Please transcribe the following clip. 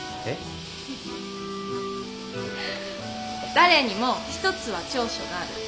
誰にも一つは長所がある。